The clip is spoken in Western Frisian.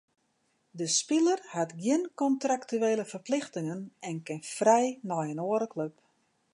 De spiler hat gjin kontraktuele ferplichtingen en kin frij nei in oare klup.